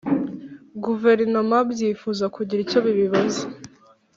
Guverinoma byifuza kugira icyo bibaza